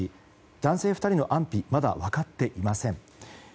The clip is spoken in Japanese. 男性２人の安否がまだ分かっていません。